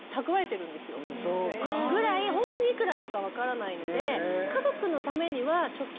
そうか。ぐらいホントに幾らあるか分からないので。